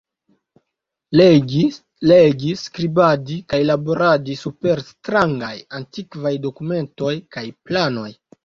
Legi, legi, skribadi kaj laboradi super strangaj, antikvaj dokumentoj kaj planoj.